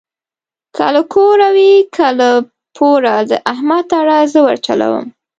که له کوره وي که له پوره د احمد اړه زه ورچلوم.